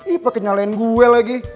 ih pake nyalain gue lagi